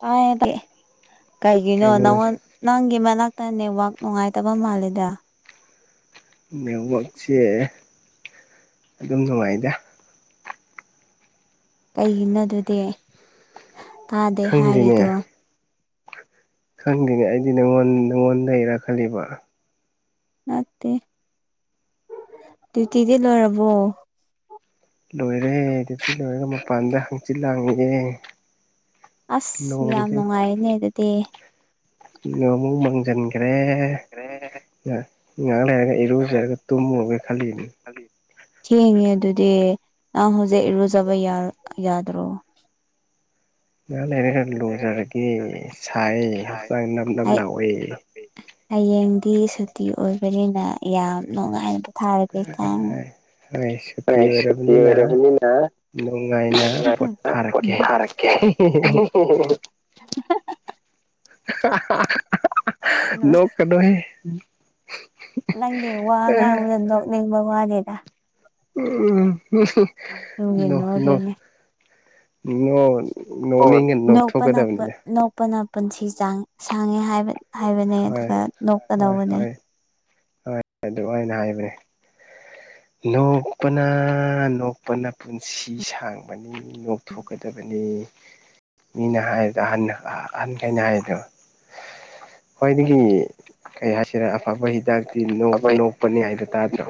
ꯇꯥꯏ ꯇ ꯀꯩꯒꯤꯅꯣ ꯅꯉꯣꯟ ꯅꯪꯒꯤ ꯃꯅꯥꯛꯇ ꯅꯦꯠꯋꯥꯛ ꯅꯨꯡꯉꯥꯏꯇꯕ ꯃꯥꯜꯂꯦꯗ ꯅꯦꯠꯋꯛꯁꯦ ꯑꯗꯨꯝ ꯅꯨꯡꯉꯥꯏꯗꯦ ꯀꯩꯒꯤꯅꯣ ꯑꯗꯨꯗꯤ ꯇꯥꯗꯦ ꯍꯥꯏꯔꯤꯗꯣ ꯈꯪꯗ꯭ꯔꯤꯉꯩ ꯑꯩꯗꯤ ꯅꯉꯣꯟ ꯅꯉꯣꯟ ꯗꯩꯔꯥ ꯈꯜꯂꯤꯕ ꯅꯠꯇꯦ ꯗ꯭ꯌꯨꯇꯤꯗꯤ ꯂꯣꯏꯔꯕꯣ ꯂꯣꯏꯔꯦ ꯗ꯭ꯌꯨꯇꯤ ꯂꯣꯏꯔꯒ ꯃꯄꯥꯟꯗ ꯍꯥꯡꯆꯤꯠ ꯂꯥꯡꯉꯤꯌꯦ ꯑꯁ ꯌꯥꯝ ꯅꯨꯡꯉꯥꯏꯔꯤꯅꯦ ꯑꯗꯨꯗꯤ ꯅꯣꯡꯃꯨ ꯃꯖꯟꯒ꯭ꯔꯦ ꯉꯍꯥꯡ ꯂꯩꯔꯒ [unintelligible] ꯊꯦꯡꯉꯦ ꯑꯗꯨꯗꯤ ꯅꯪ ꯍꯧꯖꯤꯛ ꯏꯔꯨꯖꯕ ꯌꯔꯣ ꯌꯥꯗ꯭ꯔꯣ ꯉꯥꯡ ꯂꯩꯔ ꯈꯔ ꯂꯨꯖꯔꯒꯦ ꯁꯥꯏ ꯍꯛꯆꯥꯡ ꯅꯞ ꯅꯞ ꯂꯥꯎꯋꯦ ꯍꯌꯦꯡꯗꯤ ꯁꯨꯇꯤ ꯑꯣꯏꯕꯅꯤꯅ ꯌꯥꯝ ꯅꯨꯡꯉꯥꯏꯕ ꯍꯣꯏ ꯁꯨꯇꯤ ꯑꯣꯔꯕꯅꯤꯅ ꯅꯨꯡꯉꯥꯏꯅ ꯄꯣꯊꯥꯔꯛꯀꯦ [unintelligible] ꯅꯣꯛ ꯀꯅꯣꯍꯦ ꯅꯪꯅꯦ ꯋꯥ ꯉꯥꯡꯕꯗ ꯅꯣꯛꯅꯤꯡꯕ ꯋꯥꯅꯦꯗ ꯎꯝ [unintelligible] ꯅꯣ ꯅꯣ ꯅꯣ ꯅꯣꯅꯤꯡꯉꯥ ꯅꯣꯛꯊꯣ ꯀꯗꯅꯤꯗꯥ ꯅꯣꯛꯄꯅ ꯄꯨꯟꯁꯤꯆꯥꯡ ꯁꯥꯡꯉꯦ ꯍꯥꯏꯕ ꯍꯥꯏꯕꯅꯦ ꯑꯗꯨꯒ ꯅꯣꯛꯀꯗꯧꯕꯅꯦ ꯍꯣꯏ ꯑꯗꯨꯃꯥꯏꯅ ꯍꯥꯏꯕꯅꯦ ꯅꯣꯛꯄꯅ ꯅꯣꯛꯄꯅ ꯄꯨꯟꯁꯤ ꯁꯥꯡꯕꯅꯤ ꯅꯣꯛꯊꯣꯛꯀꯗꯕꯅꯤ ꯃꯤꯅ ꯍꯥꯏꯗꯣ ꯑꯍ ꯑꯍꯟꯈꯩꯅ ꯍꯥꯏꯕꯗꯣ ꯈꯋ꯭ꯥꯏꯗꯒꯤ ꯀꯩ ꯍꯥꯏꯁꯤꯔ ꯑꯐꯕ ꯍꯤꯗꯥꯛꯇꯤ ꯅꯣꯛ ꯅꯣꯛꯄꯅꯤ ꯍꯥꯏꯗꯣ ꯇꯥꯗ꯭ꯔꯣ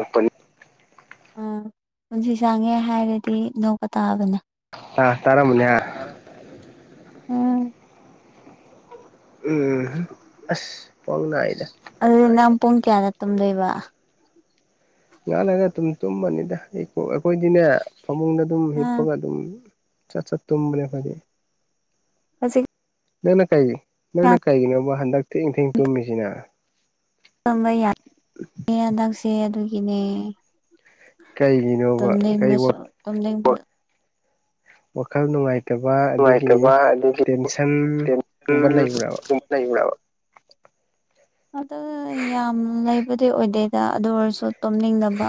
ꯎꯝ ꯄꯨꯟꯁꯤ ꯆꯥꯡꯉꯦ ꯍꯥꯏꯔꯗꯤ ꯅꯣꯛꯄ ꯇꯥꯕꯅꯦ ꯎꯝ ꯎꯝ ꯑꯁ ꯈꯋꯥꯡ ꯅꯥꯏꯗ ꯑꯗꯨ ꯅꯪ ꯄꯨꯡ ꯀꯌꯥꯗ ꯇꯨꯝꯗꯣꯏꯕ ꯉꯥꯍꯥꯛ ꯂꯩꯔꯒ ꯑꯗꯨꯨꯝ ꯇꯨꯝꯕꯅꯤꯗ ꯑꯩꯈꯣꯏꯗꯤꯅꯦ ꯐꯃꯨꯡꯗ ꯑꯗꯨꯝ ꯍꯤꯞꯄꯒ ꯑꯗꯨꯝ ꯆꯠ ꯆꯠ ꯇꯨꯝꯕꯅꯦ ꯑꯈꯣꯏꯗꯤ ꯅꯪꯅ ꯀꯩ ꯅꯪꯅ ꯀꯩꯒꯤꯅꯣꯕ ꯍꯟꯗꯛ ꯊꯦꯡ ꯊꯦꯡ ꯇꯨꯝꯃꯤꯁꯤꯅ ꯇꯨꯝꯕ ꯌꯥ ꯍꯟꯗꯛꯁꯦ ꯑꯗꯨꯒꯤꯅꯦ ꯇꯝꯅꯤꯡꯕꯁꯨ ꯇꯨ [unintelligible] ꯋꯥꯈꯜ ꯅꯨꯡꯉꯥꯏꯇꯕ ꯑꯗꯒꯤ ꯇꯦꯟꯁꯟꯒꯨꯝꯕ ꯂꯩꯕ꯭ꯔ ꯂꯩꯕ꯭ꯔꯣ ꯑꯗꯨ ꯌꯥꯝ ꯂꯩꯕꯗꯤ ꯑꯣꯏꯗꯦꯗ ꯑꯗꯨ ꯑꯣꯏꯔꯁꯨ ꯇꯨꯝꯅꯤꯡꯅꯕ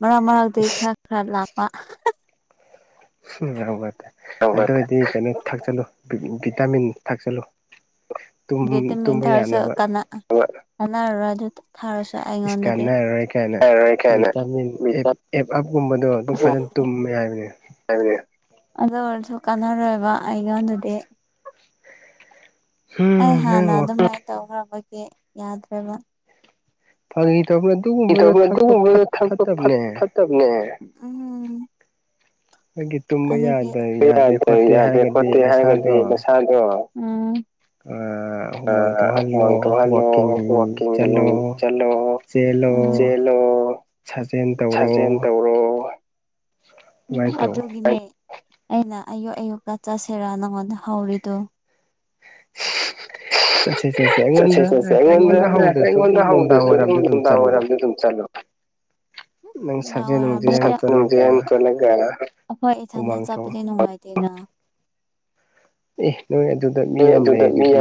ꯃꯔꯛ ꯃꯔꯛꯇꯩ ꯈꯔ ꯈꯔ ꯂꯥꯞꯄ ꯎꯝ ꯉꯔꯧ ꯋꯠꯇꯦ ꯑꯗꯨꯑꯣꯏꯗꯤ ꯀꯩꯅꯣ ꯊꯥꯛꯆꯜꯂꯨ ꯚꯤꯇꯥꯃꯤꯟ ꯊꯥꯛꯆꯜꯂꯨ ꯚꯤꯇꯥꯃꯤꯟ ꯊꯥꯑꯁꯨ ꯀꯅꯥ ꯀꯅꯥꯔꯔꯣꯏ ꯑꯗꯨ ꯊꯥꯑꯁꯨ ꯏꯁ ꯀꯥꯟꯅꯔꯔꯣꯏ ꯀꯥꯏꯅ ꯚꯤꯇꯥꯃꯤꯟ ꯑꯦꯞ ꯑꯦꯞ ꯑꯞꯀꯨꯝꯕꯗꯣ ꯑꯗꯨ ꯐꯖꯅ ꯇꯨꯝꯃꯦ ꯍꯥꯏꯕꯅꯦ ꯍꯥꯏꯕꯅꯦ ꯑꯗꯨ ꯑꯣꯏꯔꯁꯨ ꯀꯥꯟꯅꯔꯣꯏꯕ ꯑꯩꯉꯣꯟꯗꯗꯤ ꯑꯩ ꯍꯥꯟꯅ ꯑꯗꯨꯃꯥꯏꯅ ꯇꯧꯈ꯭ꯔꯕꯒꯤ ꯌꯥꯗ꯭ꯔꯦꯕ ꯐꯥꯒꯤ ꯇꯧꯕ ꯐꯥꯒꯤ ꯇꯧꯕꯅꯦ ꯑꯗꯨꯒꯨꯝꯕꯗꯣ ꯊꯛꯄ ꯐꯠ ꯐꯠꯇꯕꯅꯦ ꯎꯝ ꯅꯪꯒꯤ ꯑꯗꯨꯒꯤ ꯌꯥꯗꯦ ꯌꯥꯗꯦ ꯈꯣꯠꯇꯦ ꯍꯥꯏꯒꯗꯤ ꯅꯁꯥꯗꯣ ꯑꯥ ꯍꯨꯃꯥꯡ ꯊꯣꯛꯍꯜꯂꯣ ꯋꯥꯛꯀꯤꯡ ꯆꯜꯂꯣ ꯆꯦꯜꯂꯣ ꯁꯥꯖꯦꯟ ꯇꯧꯔꯣ ꯎꯝ ꯑꯗꯨꯒꯤꯅꯦ ꯑꯩꯅ ꯑꯌꯨꯛ ꯑꯌꯨꯛꯇ ꯆꯠꯁꯤꯔꯥ ꯅꯪꯉꯣꯟꯗ ꯍꯧꯔꯤꯗꯣ ꯆꯠꯁꯤ ꯆꯠꯁꯤ ꯑꯩꯉꯣꯟꯗ ꯑꯩꯉꯣꯟꯗ ꯍꯗꯔꯁꯨ ꯑꯗꯨꯝ ꯅꯨꯡꯗꯥꯡ ꯋꯥꯏꯔꯝꯗ ꯑꯗꯨꯝ ꯆꯠꯂꯨ ꯅꯪꯁ ꯗꯥꯡ ꯋꯥꯏꯔꯝꯖꯦ ꯑꯦ ꯑꯩꯈꯣꯏ ꯏꯊꯟꯗ ꯆꯠꯄꯗꯤ ꯅꯨꯡꯉꯥꯏꯇꯦꯅ꯫ ꯑꯦ ꯅꯣꯏ ꯑꯗꯨꯗ ꯃꯤ ꯌꯥꯝ ꯂꯩꯗꯨꯗꯤ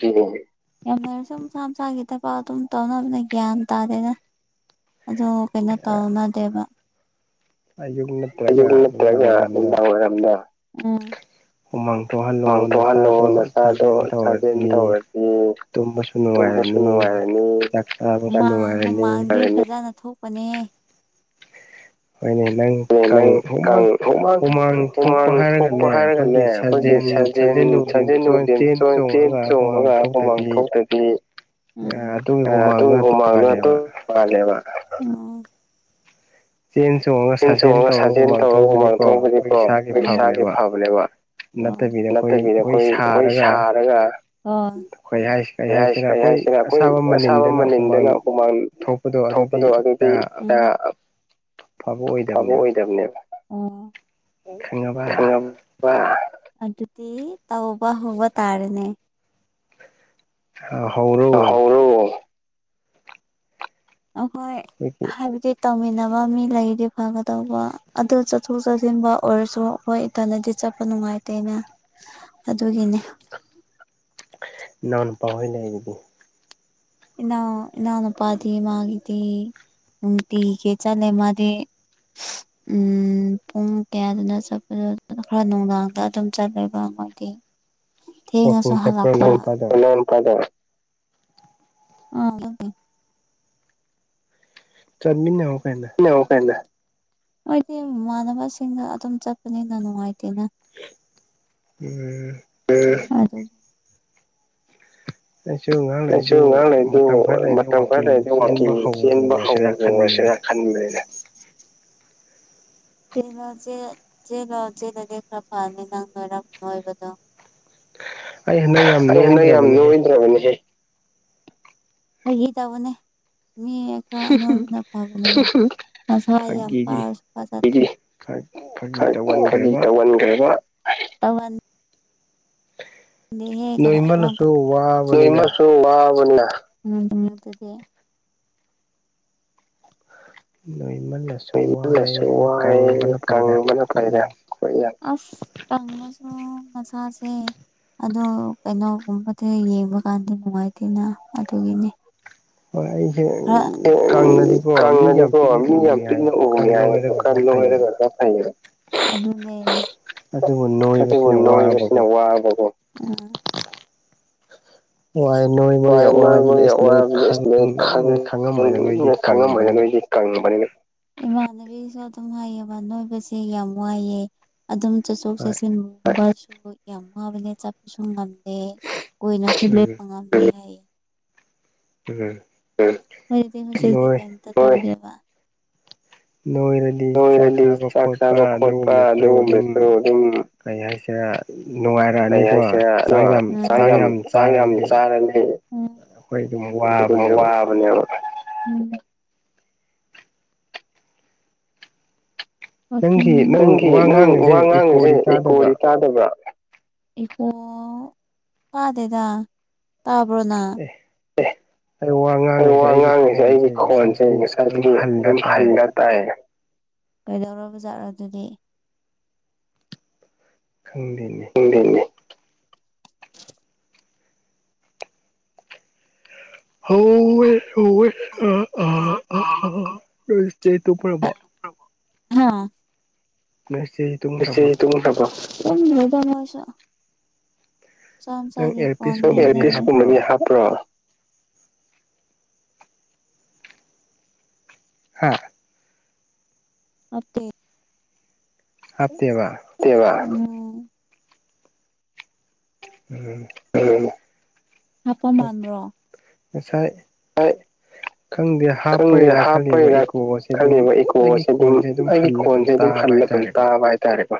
ꯌꯥꯝ ꯂꯩꯥꯔꯁꯨ ꯃꯁꯥ ꯃꯁꯥꯒꯤ ꯊꯕꯛ ꯑꯗꯨꯝ ꯇꯧꯅꯕꯅ ꯒ꯭ꯌꯥꯟ ꯇꯥꯗꯦꯗ꯫ ꯑꯗꯣ ꯀꯩꯅꯣ ꯇꯧꯅꯗꯦꯕ ꯑꯌꯨꯛ ꯅꯠꯇ꯭ꯔꯒ ꯅꯨꯡꯗꯥꯡꯋꯥꯏꯔꯝꯗ ꯎꯝ ꯃꯥꯡ ꯊꯣꯍꯜꯂꯣ ꯅꯁꯥꯗꯣ ꯁꯥꯖꯦꯜ ꯊꯧꯔꯖꯤ꯫ ꯇꯨꯝꯕꯁꯨ ꯅꯨꯡꯉꯥꯏꯔꯅꯤ ꯍꯨꯃꯥꯡ ꯍꯨꯃꯥꯡꯗꯤ ꯐꯖꯥꯅ ꯊꯣꯛꯄꯅꯦ ꯑꯣ ꯅꯪ ꯀꯪ ꯍꯨꯃꯥꯡ ꯍꯨꯃꯥꯡ ꯊꯣꯛꯄ ꯍꯥꯏꯔꯒꯅꯦ ꯈꯣꯏꯒꯤ ꯁꯟ ꯖꯦꯟ ꯁꯟꯖꯦꯟ ꯅꯨꯡꯖꯦꯟ ꯆ꯭ꯋꯟ ꯆꯦꯟ ꯆꯣꯡꯉꯒ ꯍꯨꯃꯥꯡ ꯊꯣꯛꯇꯕꯤ ꯎꯝ ꯑ ꯑꯗꯨꯏ ꯍꯨꯃꯥꯡꯗꯣ ꯇꯨ ꯄꯥꯜꯂꯦꯕ ꯆꯦꯟ ꯆꯣꯡꯉꯒ ꯁꯥꯖꯦꯜ ꯇꯧꯔꯒ ꯍꯨꯃꯥꯡ ꯊꯣꯛꯄꯗꯤꯀꯣ ꯈꯣꯏ ꯏꯁꯥꯒꯤ ꯐꯥꯕꯅꯦꯕ꯫ ꯅꯠꯇꯕꯤꯗ ꯈꯣꯏ ꯍꯣꯏ ꯁꯥꯔꯒ ꯈꯣꯏ ꯍꯥꯏꯁ ꯀꯩ ꯍꯥꯏꯁ ꯀꯩ ꯍꯥꯏꯁꯤꯔ ꯑꯈꯣꯏ ꯑꯁꯥꯕ ꯃꯅꯤꯟꯗꯅ ꯍꯨꯃꯥꯡ ꯊꯣꯛꯄꯗꯣ ꯑꯗꯨꯗꯤ ꯑꯥ ꯑ ꯐꯕ ꯑꯣꯏꯗꯕꯅꯦꯕ ꯑꯣ ꯈꯪꯉ ꯕꯥ ꯑꯗꯨꯗꯤ ꯇꯧꯕ ꯍꯧꯕ ꯇꯥꯔꯦꯅꯦ ꯍ ꯍꯧꯔꯣ ꯍꯧꯔꯣ ꯑꯍꯣꯏ ꯍꯥꯏꯕꯖꯤꯠ ꯇꯧꯃꯤꯟꯅꯕ ꯃꯤ ꯂꯩꯔꯗꯤ ꯐꯥꯒꯗꯧꯕ ꯑꯗꯨ ꯆꯠꯊꯣꯛ ꯆꯠꯁꯤꯟꯕ ꯑꯣꯏꯔꯁꯨ ꯑꯈꯣꯏ ꯇꯅꯗꯤ ꯆꯞꯄ ꯅꯨꯡꯉꯥꯏꯇꯦꯅ ꯑꯗꯨꯒꯤꯅꯦ ꯅꯥꯎꯅꯨꯄꯥ ꯍꯣꯏ ꯂꯩꯗꯨꯗꯤ ꯏꯅꯥꯎ ꯏꯅꯥꯎꯅꯨꯄꯥꯗꯤ ꯃꯥꯒꯤꯗꯤ ꯅꯨꯡꯇꯤꯒꯤ ꯆꯠꯂꯦ ꯃꯥꯗꯤ [inaudible] ꯎꯝ ꯄꯨꯡ ꯀꯌꯥꯗꯅ ꯆꯠꯄꯗꯣ ꯈꯔ ꯅꯨꯡꯗꯥꯡꯗ ꯑꯗꯨꯝ ꯆꯠꯂꯦꯕ ꯃꯣꯏꯗꯤ ꯊꯦꯡꯉꯁꯨ ꯍꯜꯂꯥꯛꯄꯗ ꯑ ꯑꯗꯨꯒꯤ ꯆꯠꯃꯤꯟꯅꯧ ꯀꯩꯅ ꯅꯧ ꯀꯩꯅ ꯑꯣꯏꯗꯤ ꯃꯥꯟꯅꯕꯁꯤꯡꯒ ꯑꯗꯨꯝ ꯆꯠꯄꯅꯤꯗ ꯅꯨꯡꯉꯥꯏꯇꯦꯅ ꯎꯝ ꯎꯝ ꯑꯗꯨ ꯑꯩꯁꯨ ꯉꯥꯛ ꯂꯩꯗꯨ ꯑ ꯃꯇꯝ ꯈ꯭ꯔ ꯂꯩꯔꯗꯤ ꯋꯥꯛꯀꯤꯡ ꯆꯦꯟꯕ ꯍꯧꯔꯁꯤꯔ ꯈꯟꯕꯅꯤꯗ ꯆꯦꯅꯣ ꯆꯦꯟ ꯆꯦꯟꯅꯣ ꯆꯦꯅꯗꯤ ꯈ꯭ꯔ ꯐꯅꯤ ꯅꯪ ꯅꯣꯏꯔꯛꯄ ꯅꯣꯏꯕꯗꯣ ꯇꯛꯍꯦ ꯅꯣꯏ ꯌꯥꯝ ꯅꯣꯏꯗ꯭ꯔꯕꯅꯦꯍꯦ ꯐꯥꯒꯤ ꯇꯧꯕꯅꯦ ꯃꯤ ꯈ꯭ꯔ ꯅꯣꯏꯕꯅ ꯐꯥꯕꯅꯦ ꯃꯁꯥ ꯌꯥꯝ ꯄꯥꯔꯁꯨ [inaudible] ꯈꯛ ꯈꯒꯤ ꯇꯧꯒꯟꯈ꯭ꯔꯕ ꯇꯧꯃꯟ ꯗꯦꯍꯦ ꯀꯗꯥꯏ ꯀꯔꯝ [inaudible] ꯅꯣꯏꯃꯜꯂꯁ ꯄꯩꯃꯜꯂꯁꯨ ꯋꯥꯏꯌꯦ ꯀꯪꯕꯅ ꯐꯩꯗ ꯈꯣꯏꯅ ꯑꯁ ꯀꯪꯉꯁꯨ ꯃꯁꯥꯥꯁꯦ ꯑꯗꯨ ꯀꯩꯅꯣꯀꯨꯝꯕꯗꯩ ꯌꯦꯡꯕ ꯀꯥꯟꯗ ꯅꯨꯡꯉꯥꯏꯇꯦꯅ ꯑꯗꯨꯒꯤꯅꯦ ꯈ꯭ꯔ ꯑꯦꯡ ꯀꯪꯉꯗꯤꯀꯣ ꯃꯤ ꯌꯥꯝ ꯄꯤꯛꯅ ꯎꯏꯌꯦ ꯍꯥꯏꯌꯦ ꯗꯣ ꯈ꯭ꯔ ꯅꯣꯏꯔꯒ ꯐꯩꯕ ꯑꯗꯨꯅꯦ ꯑꯗꯨꯕꯨ ꯅꯣꯏꯕꯁꯤꯅ ꯋꯥꯕꯒꯣ ꯑ ꯍꯣꯏ ꯅꯣꯏ ꯃꯣꯏꯒꯤ ꯑꯋꯥꯕꯗꯤ ꯅꯣꯏ [unintelligible] ꯈꯪꯉꯝꯃꯣꯏꯅꯦ ꯅꯣꯏꯗꯤ [unintelligible] ꯏꯃꯥꯟꯅꯕꯤꯁꯨ ꯑꯗꯨꯝ ꯍꯥꯏꯌꯦꯕ ꯅꯣꯏꯕꯁꯦ ꯌꯥꯝ ꯋꯥꯏꯌꯦ ꯑꯗꯨꯝ ꯆꯠꯊꯣꯛ ꯆꯠꯁꯤꯟ ꯃꯥꯁꯨ ꯌꯥꯝ ꯋꯥꯕꯅꯦ ꯁꯨ ꯉꯝꯗꯦ ꯀꯨꯏꯅꯁꯨ ꯂꯦꯞꯄ ꯉꯝꯗꯦ ꯍꯥꯏꯌꯦ ꯎꯝ [unintelligible] ꯅꯣꯏꯔꯗꯤ ꯆꯥꯛ ꯆꯥꯕ ꯈꯣꯠꯄ ꯑꯗꯨꯒꯨꯝꯕꯁꯨ ꯑꯗꯨꯝ ꯀꯩ ꯍꯥꯏꯁꯤꯔ ꯅꯨꯡꯉꯥꯏꯔꯛꯑꯅꯤꯀꯣ ꯆꯥꯡ ꯌꯥꯝ ꯆꯥꯡ ꯌꯥꯝ ꯆꯥꯔꯅꯤ [unintelligible] ꯋꯥꯕꯅꯦꯕ [unintelligible] ꯅꯪꯒꯤ ꯅꯪ ꯋꯥ ꯉꯥꯡꯉꯤꯁꯦ ꯏꯀꯣꯗꯤ ꯇꯥꯗꯕ꯭ꯔꯥ ꯏꯀꯣ ꯇꯥꯗꯦꯗ ꯇꯥꯕ꯭ꯔꯣ ꯅꯪ ꯑꯩ ꯋꯥ ꯉꯥꯡ ꯑꯩ ꯋꯥ ꯉꯥꯡꯉꯤꯁꯦ ꯑꯩꯒꯤ ꯈꯣꯟꯁꯦ ꯉꯁꯥꯏꯗꯒꯤ ꯑꯗꯨꯝ ꯍꯟꯂꯒ ꯇꯥꯏ ꯀꯩꯗꯧꯔꯕꯖꯥꯠꯔ ꯑꯗꯨꯗꯤ ꯈꯪꯗꯦꯅꯦ ꯈꯪꯗꯦꯅꯦ ꯍꯧꯋꯦ ꯍꯧꯋꯦ ꯑꯥ ꯑꯥ ꯑꯥ ꯑꯥ ꯅꯣꯏ ꯏꯆꯦ ꯇꯨꯝꯈ꯭ꯔꯕꯣ [unintelligible] ꯍꯥ ꯅꯣꯏ ꯏꯆꯦ ꯏꯆꯦ ꯇꯨꯝꯈ꯭ꯔꯕꯣ ꯇꯨꯝꯗꯦꯗ ꯃꯥꯁꯨ [unintelligible] ꯄꯤꯁ ꯀꯨꯝꯕꯗꯤ ꯍꯥꯞꯄ꯭ꯔꯣ ꯍꯥꯥ ꯍꯥꯞꯇꯦ ꯍꯥꯞꯇꯦꯕ ꯇꯦꯕꯥ ꯎꯝ ꯍꯥꯞꯄꯥ ꯃꯥꯟꯕ꯭ꯔꯣ ꯉꯁꯥꯏ ꯍꯥꯏ ꯈꯪꯗꯦ ꯍꯥꯞꯄꯒꯤꯔꯥ ꯈꯟꯂꯤꯕ ꯏꯀꯣꯁꯦ ꯑꯗꯨꯝ ꯑꯩꯒꯤ ꯈꯣꯟꯁꯦ ꯑꯗꯨꯝ ꯍꯜꯂ ꯑꯗꯨꯝ ꯇꯥꯕ ꯍꯥꯏꯇꯥꯔꯦꯀꯣ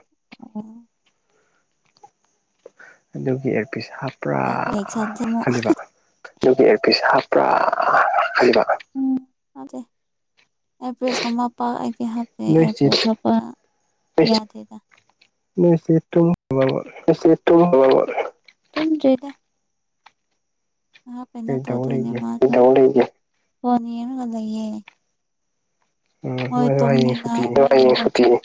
ꯑꯗꯨꯒꯤ ꯏꯌꯥꯔꯄꯤꯁ ꯍꯥꯞꯄ꯭ꯔꯥ ꯈꯜꯂꯤꯕ ꯑꯗꯨꯒꯤ ꯏꯌꯔꯄꯤꯁ ꯍꯥꯞꯄ꯭ꯔꯥ ꯈꯜꯂꯤꯕ [unintelligible] ꯑꯦꯌꯔꯄꯤꯁ ꯀꯨꯝꯕ ꯄꯥꯛ ꯑꯩꯗꯤ ꯍꯥꯞꯇꯦ ꯑꯦꯌꯔꯄꯤꯁ ꯍꯥꯞꯄ ꯌꯥꯗꯦꯗ ꯅꯣꯏ ꯏꯆꯦ ꯇꯨꯝꯈ꯭ꯔꯕ꯭ꯔꯕ ꯅꯣꯏ ꯏꯆꯦ ꯇꯨꯝꯈ꯭ꯔꯕ꯭ꯔꯕ ꯇꯨꯝꯗ꯭ꯔꯤꯗ ꯃꯥ ꯀꯩꯅꯣ ꯇꯧꯗꯣꯏꯅꯦ [unintelligible] ꯐꯣꯟ ꯌꯦꯡꯔꯒ ꯂꯩꯌꯦ ꯍꯣꯏ [unintelligible]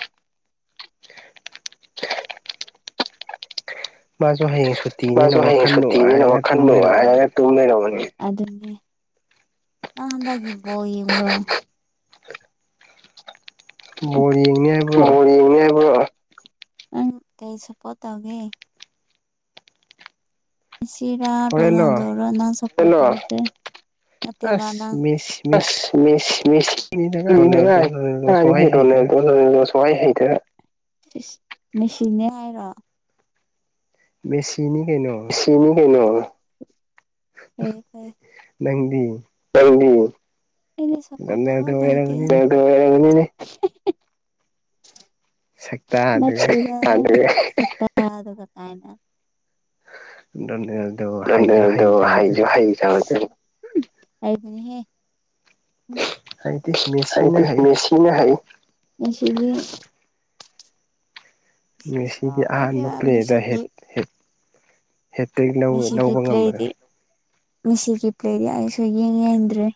ꯃꯥꯁꯨ ꯍꯌꯦꯝ ꯁꯨꯠ ꯃꯥꯁꯨ ꯍꯌꯦꯡ ꯁꯨꯇꯤꯅꯤꯅ ꯋꯥꯈꯟ ꯅꯨꯉꯥꯏꯔꯒ ꯇꯨꯝ ꯂꯩꯔꯝꯃꯅꯤ ꯑꯗꯨꯅꯤ ꯅꯪ ꯍꯟꯗꯛꯒꯤ ꯕꯣꯜ ꯌꯦꯡꯕ꯭ꯔꯣ ꯕꯣꯜ ꯌꯦꯡꯅꯤ ꯍꯥꯏꯕ꯭ꯔꯣ ꯅꯪ ꯀꯩ ꯁꯄꯣꯠ ꯇꯧꯒꯦ ꯃꯦꯁꯤꯔꯥ ꯔꯣꯅꯥꯜꯗꯣꯔ ꯅꯪ [unintelligible] ꯅꯠꯇꯦꯕ ꯅꯪ ꯑꯁ ꯃꯦꯁ ꯃꯦꯁꯤ [unintelligible] [unintelligible] ꯁꯨꯍꯩ ꯍꯩꯇ꯭ꯔꯦ ꯅꯪ ꯏꯁ ꯃꯦꯁꯤꯅꯦ ꯍꯥꯏꯔꯣ ꯃꯦꯁꯤꯅꯤ ꯀꯩꯅꯣ ꯆꯤꯅꯤ ꯀꯩꯅꯣ ꯑꯦ ꯅꯪꯗꯤ ꯅꯪꯗꯤ ꯑꯩꯗꯤ ꯁꯞꯄꯣꯔ꯭ꯠ ꯇꯧꯕ ꯂꯩꯇꯦꯗ [unintelligible] [unintelligible] ꯑꯗꯨꯅꯦ ꯑꯗꯣ ꯍꯩꯖꯨ ꯍꯩꯇꯕ ꯑꯗꯨꯒꯤ [unintelligible] ꯍꯩꯕꯅꯤꯍꯦ ꯍꯩꯇꯤ ꯃꯦꯁꯤꯅ ꯍꯩ ꯃꯦꯁꯤꯗꯤ ꯃꯦꯁꯤꯗꯤ ꯑꯍꯥꯟꯕ ꯄ꯭ꯂꯦꯗ ꯍꯦꯠ ꯍꯦꯠ ꯍꯦꯠꯇꯤꯛ ꯂꯧꯕ ꯂꯧꯕ ꯉꯝꯕꯗꯣ ꯃꯤꯁꯤꯒꯤ ꯄ꯭ꯂꯦꯗꯤ ꯑꯩꯁꯨ ꯌꯦꯡ ꯌꯦꯡꯗ꯭ꯔꯦ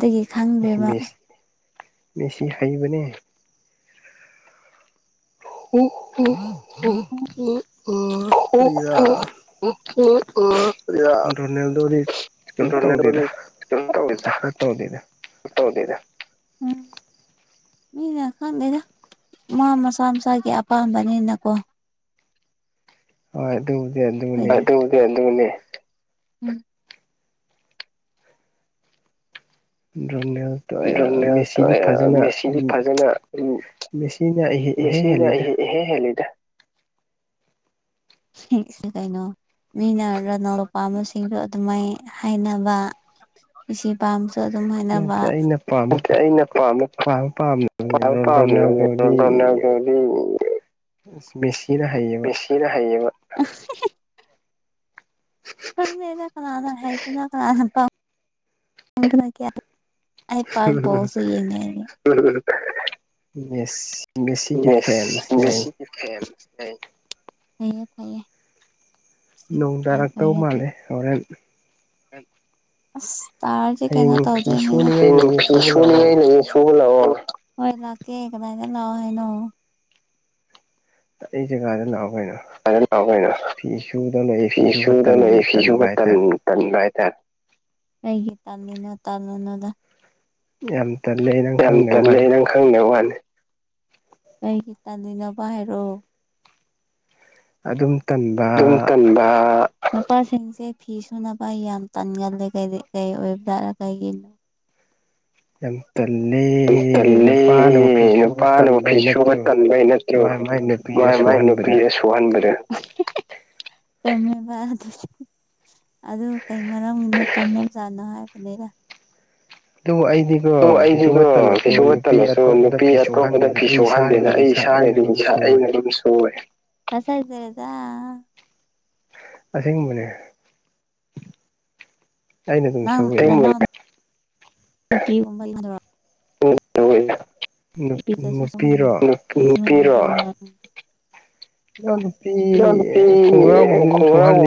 ꯗꯒꯤ ꯈꯪ ꯑꯦꯍꯦ ꯃꯦꯁ ꯃꯦꯁꯤ ꯍꯩꯕꯅꯦ [unintelligible] [unintelligible] ꯑꯩꯌꯥ ꯑꯗꯨꯅꯤ ꯑꯗꯨꯅꯤ ꯀꯩꯝ ꯇꯧꯗꯦꯗ ꯇꯧꯗꯦꯗ ꯎꯝ ꯃꯤꯅ ꯈꯪꯗꯦꯗ ꯃꯥ ꯃꯁꯥ ꯃꯁꯥꯒꯤ ꯑꯄꯥꯝꯕꯅꯤꯅꯀꯣ ꯍꯣꯏ ꯇꯨꯝꯒꯦ ꯑꯗꯨ ꯑꯗꯨꯒ ꯑꯗꯨꯅꯦ ꯎꯝ ꯗ꯭ꯔꯣꯅꯦꯜ ꯗ꯭ꯔꯣꯅꯦꯜ ꯇꯣꯛꯑꯦ ꯃꯦꯁꯤꯗꯤ ꯐꯖꯅ ꯎꯝ ꯃꯦꯁꯤꯅ ꯏꯍꯦ ꯏꯍꯦꯜ ꯍꯦꯜꯂꯤꯗ ꯁꯤꯛꯁꯇꯤ ꯀꯩꯅꯣ ꯃꯤꯅ ꯔꯣꯅꯥꯜ ꯄꯥꯝꯕꯁꯤꯡꯗꯨ ꯑꯗꯨꯃꯥꯏ ꯍꯥꯏꯅꯕ ꯃꯤꯁꯤ ꯄꯥꯝꯕꯁꯨ ꯑꯗꯨꯝ ꯍꯥꯏꯅꯕ ꯅꯠꯇꯦ ꯑꯩꯅ ꯄꯥꯝꯃꯦ ꯄꯥꯝꯕ [unintelligible] ꯔꯣꯅꯥꯜꯗꯣꯗꯤ ꯃꯦꯁꯤꯅ ꯍꯩꯌꯦ ꯁꯤꯅ ꯍꯩꯌꯦꯕ ꯈꯪꯗꯦꯗ ꯀꯅꯥꯥꯅ ꯍꯩꯕꯅꯣ ꯀꯅꯥꯅ ꯄꯥꯝ [unintelligible] ꯑꯩ ꯄꯥꯛ ꯕꯣꯜꯁꯨ ꯌ ꯡꯦꯡꯗꯦ ꯑꯩꯗꯤ ꯃꯦꯁ ꯃꯦꯁꯤꯒꯤ ꯐꯦꯟꯁꯅꯦ ꯑꯩ [unintelligible] ꯐꯩꯌꯦ ꯐꯩꯌꯦ ꯅꯣꯡ ꯇꯥꯔꯛꯇꯧ ꯃꯥꯜꯂꯦ ꯍꯣꯔꯦꯟ ꯑꯁ ꯇꯥꯔꯗꯤ ꯀꯩꯅꯣ ꯇꯧꯗꯣꯏꯅꯤꯅ ꯎꯝ ꯐꯤ ꯁꯨꯅꯤꯡꯉꯥꯏ ꯂꯩꯌꯦ ꯊꯨꯕ ꯂꯥꯛꯑꯣ ꯍꯣꯏ ꯂꯥꯛꯀꯦ ꯀꯗꯥꯏꯅ ꯂꯥꯛꯑꯣ ꯍꯥꯏꯅꯣ ꯑꯩ ꯖꯒꯥꯗ ꯂꯥꯛꯑꯣ ꯀꯩꯅꯣ ꯑꯗ ꯂꯥꯛꯑꯣ ꯀꯩꯅꯣ ꯐꯤ ꯁꯨꯕꯅꯩ ꯐꯤꯁꯨꯕ ꯇꯟ ꯇꯟꯕ ꯍꯥꯏꯇꯥꯔꯦ ꯀꯩꯒꯤ ꯇꯜꯂꯤꯅꯣ ꯇꯜꯂꯨꯅꯨꯗ ꯌꯥꯝ ꯌꯥꯝ ꯇꯜꯂꯦ ꯑꯩ ꯅꯪ ꯈꯪꯗꯧ ꯋꯥꯅꯤ ꯀꯩꯒꯤ ꯇꯟꯂꯤꯅꯣꯕ ꯍꯥꯏꯔꯛꯑꯣ ꯑꯗꯨꯝ ꯇꯟꯕ ꯗꯨꯝ ꯇꯟꯕ ꯅꯨꯄꯥꯁꯤꯡꯁꯦ ꯐꯤ ꯁꯨꯅꯕ ꯌꯥꯝ ꯇꯟꯒꯜꯂꯦ ꯀꯗꯤ ꯀꯩ ꯑꯣꯏꯕ ꯖꯥꯠꯂ ꯀꯩꯒꯤꯅꯣ ꯌꯥꯝ ꯇꯜꯂꯦ ꯅꯨꯄꯥꯅꯕꯨ ꯐꯤ ꯁꯨꯕ ꯇꯟꯕꯩ ꯅꯠꯇ꯭ꯔꯣ ꯃꯥꯏ ꯃꯥꯏ ꯅꯨꯄꯤꯗ ꯁꯨꯍꯟꯕꯗꯨ [unintelligible] ꯑꯗꯨ ꯀꯩ ꯃꯔꯝꯒꯤ ꯇꯟꯕ ꯖꯥꯠꯅꯣ ꯍꯥꯏꯕꯅꯤꯗ ꯗꯣ ꯑꯩꯗꯤ ꯑꯗꯨ ꯑꯩꯗꯤꯒꯣ ꯐꯤꯁꯨꯕ ꯇꯜꯂꯁꯨ ꯅꯨꯄꯤ ꯑꯇꯣꯞꯄꯗ ꯐꯤꯁꯨꯍꯟꯗꯦꯅ ꯑꯩ ꯏꯁꯥꯒꯤꯗꯤ ꯗꯨꯝꯥ ꯏꯁꯥ ꯑꯩꯅ ꯗꯨꯝ ꯗꯨꯝ ꯁꯨꯋꯦ ꯊꯥꯖꯗꯔ꯭ꯦꯗ ꯑꯁꯦꯡꯕꯅꯦ [unintelligible] [unintelligible] ꯑ ꯅꯨꯄꯤ ꯈꯣꯡꯒꯔ꯭ꯥꯎ ꯒꯨꯝꯕꯗꯤ ꯗꯨꯝ ꯁꯨꯍꯜꯂꯤ